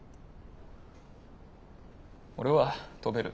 俺は飛べる。